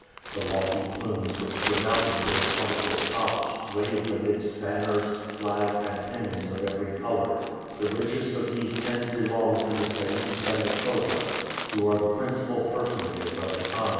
The lofty plumes which surmounted their conical tops waved amidst banners, flags, and pennons of every color. The richest of these tents belonged to the Seides and Khodjas, who are the principal personages of the khanat.